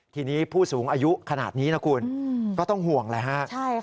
ทีนี้ผู้สูงอายุขนาดนี้นะคุณก็ต้องห่วงแหละฮะ